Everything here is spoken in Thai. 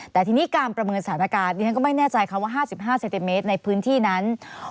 แต่ทีนี้การประเมินสถานการณ์ดิฉันก็ไม่แน่ใจค่ะว่า๕๕เซนติเมตรในพื้นที่นั้น